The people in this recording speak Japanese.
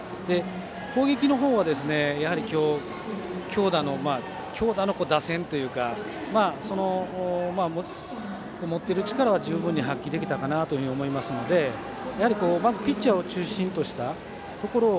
攻撃のほうは今日強打の打線というか持っている力は発揮できたと思うのでまずピッチャーを中心としたところを